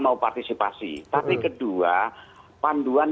mau partisipasi tapi kedua panduan